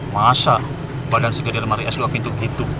masa bagan sekali dari martherias rakitu gitu